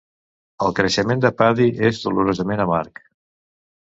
El creixement de Paddy és dolorosament amarg.